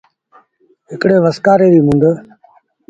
هڪڙيٚ وسڪآري ريٚ مند۔